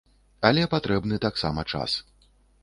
Але патрэбны таксама час.